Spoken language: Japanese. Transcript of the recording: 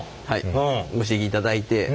はいご指摘いただいて。